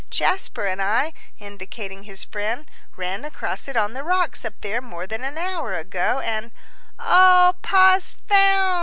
Jasper and I," indicating his friend, "ran across it on the rocks up there more than an hour ago, and " "Oh, Pa's found!"